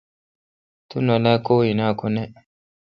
تو نالا کو این اؘ کو نہ۔